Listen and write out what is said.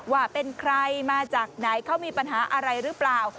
ว่าเป็นใครมาจากไหนเขามีปัญหาอะไรหรือเปล่า